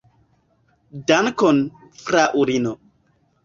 Dankon, fraŭlino.